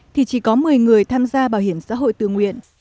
thì chỉ có một mươi người tham gia bảo hiểm xã hội tự nguyện